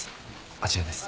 あちらです。